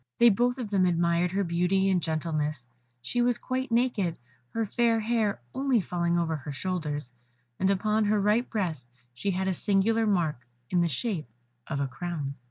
They both of them admired her beauty and gentleness; she was quite naked, her fair hair only falling over her shoulders, and upon her right breast she had a singular mark in the shape of a crown.